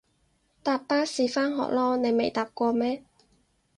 搭巴士返學囉，你未搭過咩？